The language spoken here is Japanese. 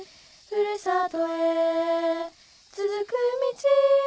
ふるさとへつづく道